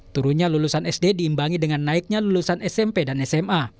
turunnya lulusan sd diimbangi dengan naiknya lulusan smp dan sma